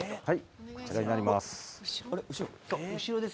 こちらになります。